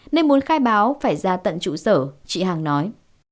nên muốn khai báo phải ra tận trụ sở chị hằng nói